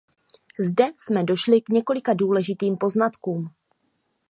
Zde jsme došli k několika důležitým poznatkům.